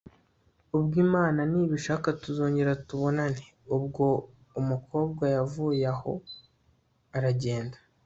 ubwo imana nibishaka tuzongera tubonane! ubwo umukobwa yavuyaho aragenda